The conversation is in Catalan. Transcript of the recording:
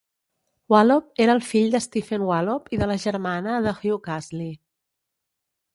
Wallop era el fill de Stephen Wallop i de la germana de Hugh Ashley.